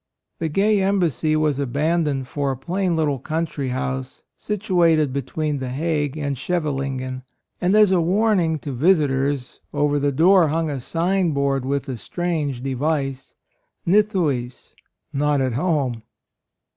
The gay embassy was aban doned for a plain little country house situated between the Hague and Schevelingen ; and, as a warning to visitors, over the door hung a sign board with the strange device, Nithuys — "Not at home."